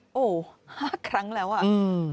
โอ้โหห้าครั้งแล้วอ่ะ